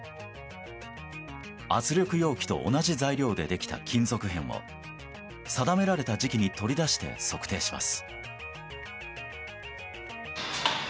圧力容器と同じ材料でできた金属片を定められた時期に取り出して測定します。